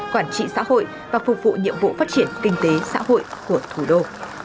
quản trị xã hội và phục vụ nhiệm vụ phát triển kinh tế xã hội của thủ đô